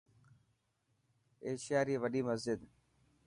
ايشياري وڏي مسجد.